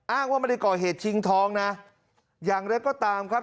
ว่าไม่ได้ก่อเหตุชิงทองนะอย่างไรก็ตามครับ